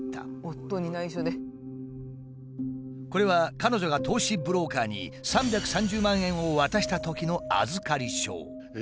これは彼女が投資ブローカーに３３０万円を渡したときの預り証。